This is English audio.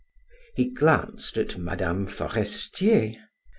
He glanced at Mme. Forestier.